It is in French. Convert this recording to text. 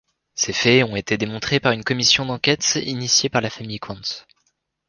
Ces faits ont été démontrés par une commission d'enquête initiée par la famille Quandt.